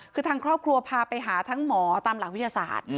คือทางครอบครัวพาไปหาทั้งหมอตามหลักวิทยาศาสตร์